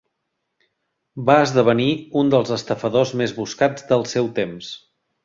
Va esdevenir un dels estafadors més buscats del seu temps.